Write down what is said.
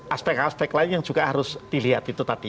aspek aspek lain yang juga harus dilihat itu tadi